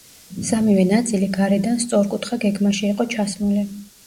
სამივე ნაწილი გარედან სწორკუთხა გეგმაში იყო ჩასმული.